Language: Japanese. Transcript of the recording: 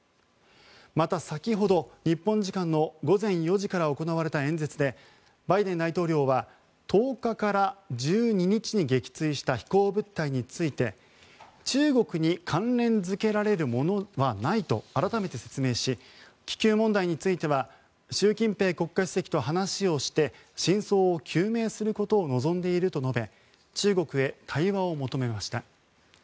また、先ほど日本時間の午前４時から行われた演説でバイデン大統領は１０日から１２日に撃墜した飛行物体について、中国に関連付けられるものはないと改めて説明し気球問題については習近平国家主席と話をして真相を究明することを望んでいると述べ中国へ対話を求めました。